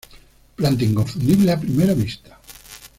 Planta inconfundible a primera vista.